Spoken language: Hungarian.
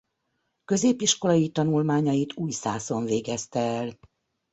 Középiskolai tanulmányait Újszászon végezte el.